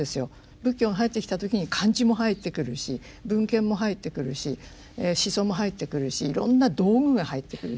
仏教が入った時に漢字も入ってくるし文献も入ってくるし思想も入ってくるしいろんな道具が入ってくるし。